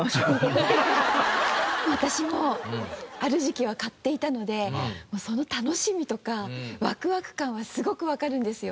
私もある時期は買っていたのでその楽しみとかワクワク感はすごくわかるんですよ。